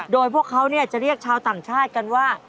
โดยพวกเขาจะเรียกชาวต่างชาติกันว่า